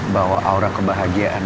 bawa aura kebahagiaan